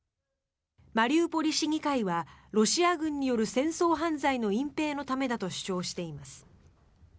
マリウポリ市議会はロシア軍による戦争犯罪の隠ぺいのためだと主張しています。